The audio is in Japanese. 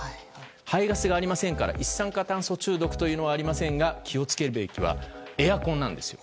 排ガスがありませんから一酸化炭素中毒というのはありませんが、気を付けるべきはエアコンなんですよ。